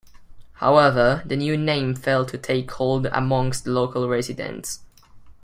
However, the new name failed to take hold amongst local residents.